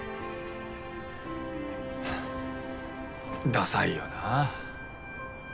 ダサいよな。